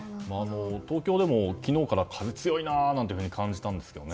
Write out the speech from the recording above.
東京でも昨日から風が強いなと感じたんですけどね。